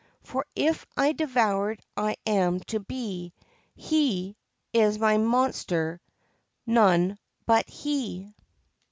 For, if devoured I am to be, Hew my monster none but he